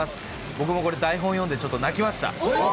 僕もこれ、台本読んでちょっと泣きました。